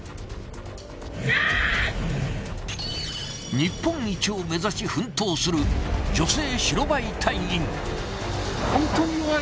日本一を目指し奮闘する女性白バイ隊員。